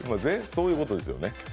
そういうことですよね。